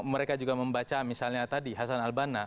mereka juga membaca misalnya tadi hasan al banna